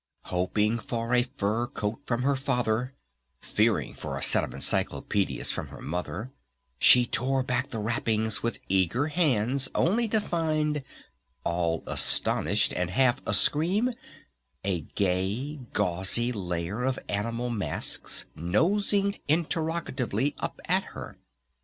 Hoping for a fur coat from her Father, fearing for a set of encyclopedias from her Mother, she tore back the wrappings with eager hands only to find, all astonished, and half a scream, a gay, gauzy layer of animal masks nosing interrogatively up at her.